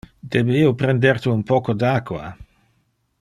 Debe io prender te un poco de aqua?